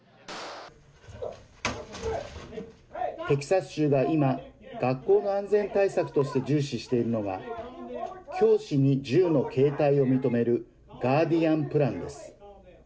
テキサス州が今学校が安全対策として重視しているのが教師に銃の携帯を認めるガーディアン・プランです。